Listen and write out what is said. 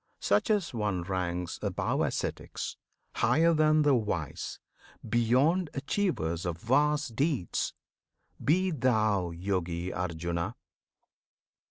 Such as one ranks Above ascetics, higher than the wise, Beyond achievers of vast deeds! Be thou Yogi Arjuna!